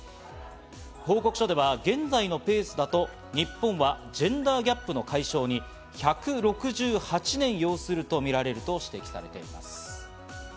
報告書では現在のペースだと日本はジェンダーギャップの解消に１６８年要するとみられると指摘されています。